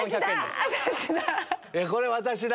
これ私だ！